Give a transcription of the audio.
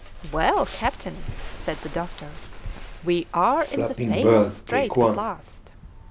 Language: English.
"Well, captain," said the doctor, "we are in the famous strait at last."